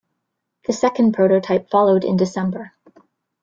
The second prototype followed in December.